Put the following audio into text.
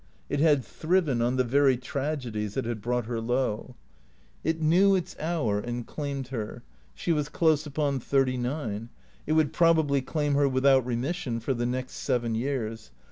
It had thriven on the very tragedies that had brought her low. It knew its hour and claimed her. She was close upon thirty nine. It would probably claim her without remission for the next seven years.